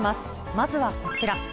まずはこちら。